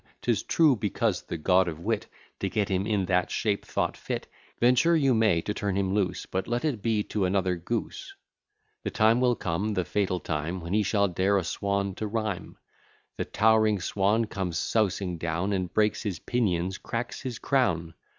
'Tis true, because the God of Wit To get him in that shape thought fit, He'll have some glowworm sparks of it. Venture you may to turn him loose, But let it be to another goose. The time will come, the fatal time, When he shall dare a swan to rhyme; The tow'ring swan comes sousing down, And breaks his pinions, cracks his crown.